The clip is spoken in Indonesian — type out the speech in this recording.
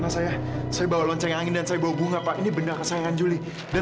saya bawa lonceng angin dan bunga ini benar kesayangan julie